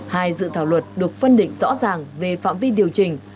hai dự thảo luật được phân định rõ ràng về phạm vi điều chỉnh